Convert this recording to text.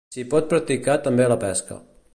S'hi pot practicar també la pesca.